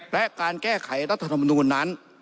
และการแก้ไขรัฐธรรมนูลนั้น